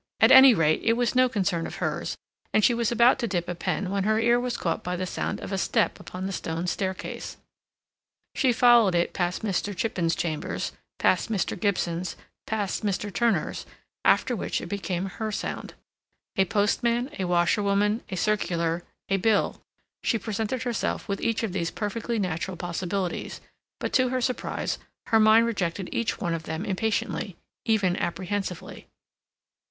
At any rate, it was no concern of hers, and she was about to dip a pen when her ear was caught by the sound of a step upon the stone staircase. She followed it past Mr. Chippen's chambers; past Mr. Gibson's; past Mr. Turner's; after which it became her sound. A postman, a washerwoman, a circular, a bill—she presented herself with each of these perfectly natural possibilities; but, to her surprise, her mind rejected each one of them impatiently, even apprehensively.